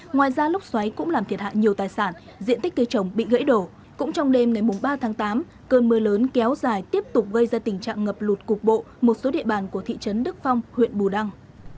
ngoài ra lốc xoáy cũng làm thiệt hại nhiều tài sản diện tích cây trồng bị gãy đổ cũng trong đêm ngày ba tháng tám cơn mưa lớn kéo dài tiếp tục gây ra tình trạng ngập lụt cục bộ một số địa bàn của thị trấn đức phong huyện bù đăng